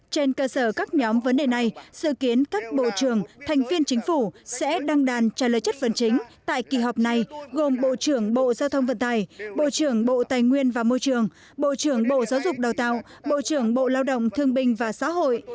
trên cơ sở các nhóm vấn đề này dự kiến các bộ trưởng thành viên chính phủ sẽ đăng đàn trả lời chất vấn chính tại kỳ họp này gồm bộ trưởng bộ giao thông vận tài bộ trưởng bộ tài nguyên và môi trường bộ trưởng bộ giáo dục đào tạo bộ trưởng bộ lao động thương binh và xã hội